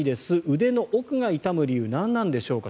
腕の奥が痛む理由何なんでしょうかと。